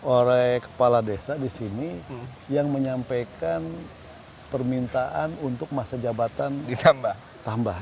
oleh kepala desa di sini yang menyampaikan permintaan untuk masa jabatan ditambah